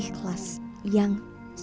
yang sesuai dengan kebaikan kita